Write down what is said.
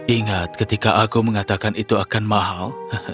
ingat ketika aku mengatakan itu akan mahal